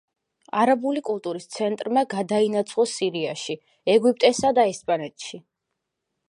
არაბული კულტურის ცენტრმა გადაინაცვლა სირიაში, ეგვიპტესა და ესპანეთში.